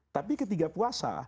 tapi ketiga puasa